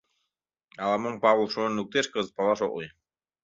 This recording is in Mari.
Ала-мом Павыл шонен луктеш, кызыт палаш ок лий.